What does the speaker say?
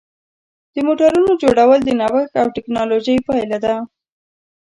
د موټرونو جوړول د نوښت او ټېکنالوژۍ پایله ده.